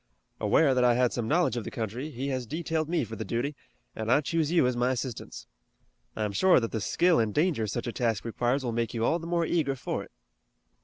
Aware that I had some knowledge of the country, he has detailed me for the duty, and I choose you as my assistants. I'm sure that the skill and danger such a task requires will make you all the more eager for it."